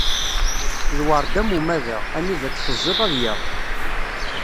Lweṛd am umadaɣ, anida t-teẓẓiḍ ad yaɣ.